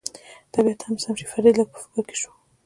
طبیعت هم سم شي، فرید لږ په فکر کې شو.